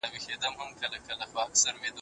زلفي دانه، دانه پر سپين جبين هغې جوړي